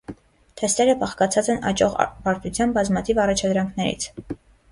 Թեստերը բաղկացած են աճող բարդությամբ բազմաթիվ առաջադրանքներից։